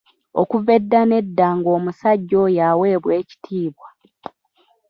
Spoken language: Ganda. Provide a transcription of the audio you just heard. Okuva edda n'edda nga omusajja oyo aweebwa ekitiibwa.